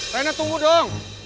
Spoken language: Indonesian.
raina tunggu dong